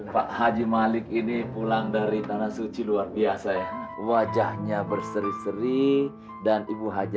pak haji malik ini pulang dari tanah suci luar biasa ya wajahnya berseri seri dan ibu haji